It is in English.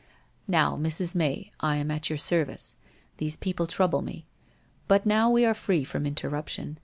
'Now, Mrs. May, I am at your service. These people trouble me. But now we are free from interruption.